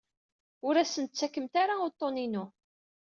Ur asen-ttakemt ara uḍḍun-inu.